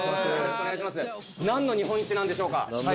・何の日本一なんでしょうか？